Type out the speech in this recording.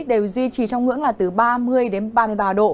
đều duy trì trong ngưỡng là từ ba mươi đến ba mươi ba độ